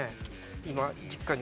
今実家に。